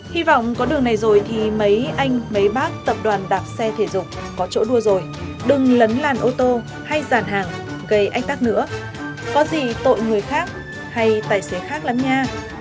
hy vọng có đường này rồi thì mấy anh mấy bác tập đoàn đạp xe thể dục có chỗ đua rồi đừng lấn làn ô tô hay giàn hàng gây ách tắc nữa có gì tội người khác hay tài xế khác lắm nha